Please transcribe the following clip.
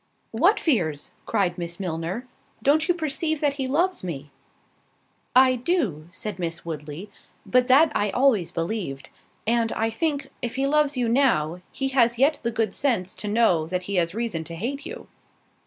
"What fears?" cried Miss Milner: "don't you perceive that he loves me?" "I do," said Miss Woodley, "but that I always believed; and, I think, if he loves you now, he has yet the good sense to know that he has reason to hate you."